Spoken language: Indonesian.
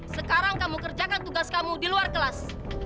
sekarang kamu kerjakan tugas kamu di luar kelas